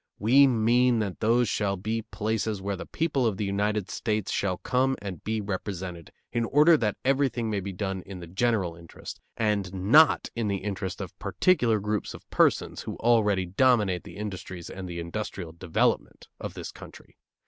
We mean that those shall be places where the people of the United States shall come and be represented, in order that everything may be done in the general interest, and not in the interest of particular groups of persons who already dominate the industries and the industrial development of this country.